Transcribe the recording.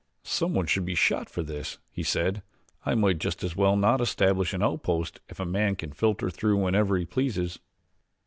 "Someone should be shot for this," he said. "I might just as well not establish an out post if a man can filter through whenever he pleases."